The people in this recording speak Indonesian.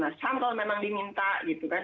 pada komnas ham kalau memang diminta gitu kan